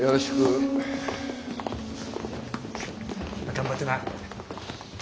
頑張ってな。